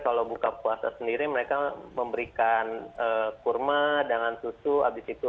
kalau buka puasa sendiri mereka memberikan kurma dengan susu habis itu sholat maghrib perjamaah